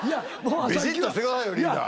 びしっとしてくださいよリーダー。